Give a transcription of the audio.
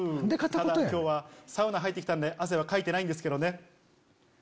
ただ今日はサウナ入って来たんで汗はかいてないんですけどね。